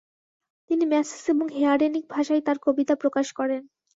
তিনি ম্যাসিস এবং হেয়ারেনিক ভাষায় তার কবিতা প্রকাশ করেন।